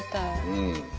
うん。